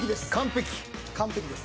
完璧です。